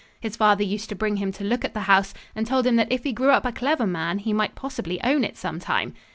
His father used to bring him to look at the house and told him that if he grew up a clever man, he might possibly own it some time.